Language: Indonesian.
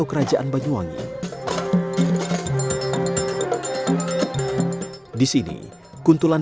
pajan si manjid kuntulan